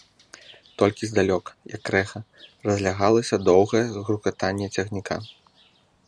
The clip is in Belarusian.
Толькі здалёк, як рэха, разлягалася доўгае грукатанне цягніка.